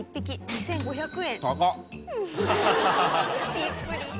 びっくり。